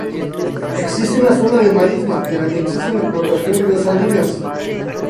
Existe una zona de marisma en la que existen explotaciones de salinas.